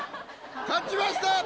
勝ちました！